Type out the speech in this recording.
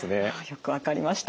よく分かりました。